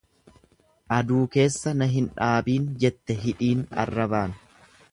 Aduu keessa na hin dhaabiin jette hidhiin arrabaan.